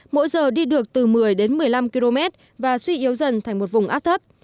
mỗi giờ đi được từ một mươi đến một mươi năm km và suy yếu dần thành một vùng áp thấp